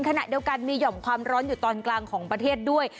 ขณะเดียวกันมีห่อมความร้อนอยู่ตอนกลางของประเทศด้วย